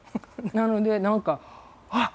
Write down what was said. なので何かあっ！